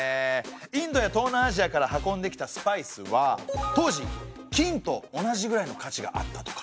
インドや東南アジアから運んできたスパイスは当時金と同じぐらいの価値があったとか。